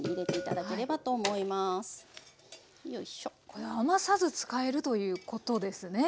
これ余さず使えるということですね